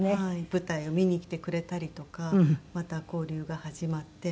舞台を見に来てくれたりとかまた交流が始まって。